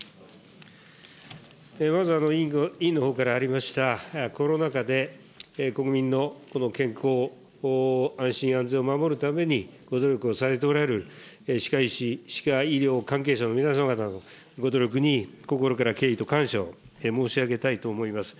まず委員のほうからありました、コロナ禍で国民のこの健康、安心安全を守るためにご努力をされておられる歯科医師、歯科医療関係者の皆様方のご努力に心から敬意と感謝を申し上げたいと思います。